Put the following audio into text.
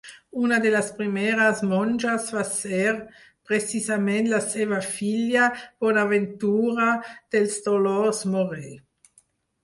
Una de les primeres monges va ser, precisament, la seva filla Bonaventura dels Dolors Morer.